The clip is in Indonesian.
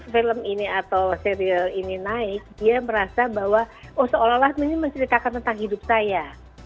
film ini atau serial ini naik dia merasa bahwa oh seolah olah ini menceritakan tentang hidup saya